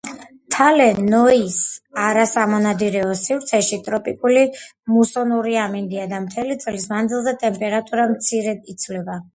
თალე ნოის არასამონადირეო სივრცეში ტროპიკული მუსონური ამინდია და მთელი წლის მანძილზე ტემპერატურა მცირედ იცვლება.